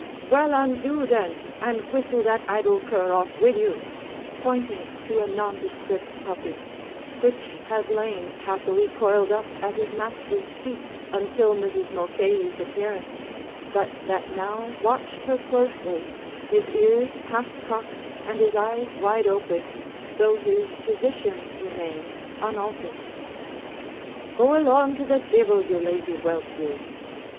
"Well, an' do then an' whistle that idle cur off wid you," pointing to a nondescript puppy, which had lain happily coiled up at his master's feet until Mrs. Mulcahy's appearance, but that now watched her closely, his ears half cocked and his eyes wide open, though his position remained unaltered. "Go along to the divil, you lazy whelp you!"